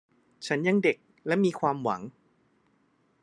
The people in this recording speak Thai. ฉันยังเด็กและมีความหวัง